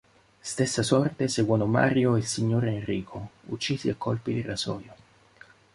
Stessa sorte seguono Mario e il signor Enrico, uccisi a colpi di rasoio.